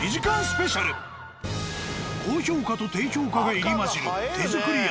高評価と低評価が入り混じる手作り宿。